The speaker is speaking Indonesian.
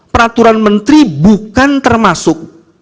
peraturan menteri bukan termasuk